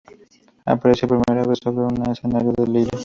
Apareció por vez primera sobre un escenario en Lille.